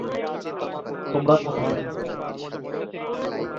এছাড়াও ভবনে প্রবেশের জন্য রয়েছে নান্দনিক একটি প্রবেশপথ।